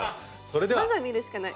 まずは見るしかない。